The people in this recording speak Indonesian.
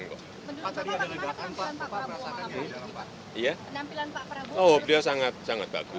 menurut pak bagaimana penampilan pak prabowo